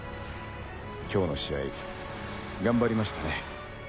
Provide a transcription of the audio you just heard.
今日の試合頑張りましたね。